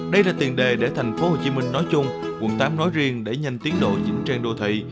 đây là tiền đề để thành phố hồ chí minh nói chung quận tám nói riêng để nhanh tiến đội chính trang đô thị